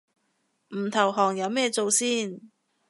唔投降有咩做先